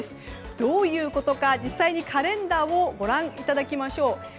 どういうことか実際にカレンダーをご覧いただきましょう。